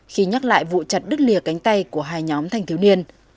khi nhắc lại vụ chặt đứt lìa cánh tay của hai nhóm thanh thiếu niên